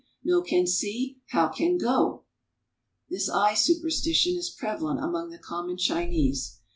No can see, how can go ?" This eye superstition is prevalent among the common Chinese.